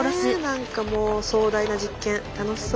何かもう壮大な実験楽しそう。